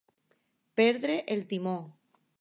Perdre el timó.